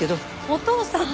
お父さん！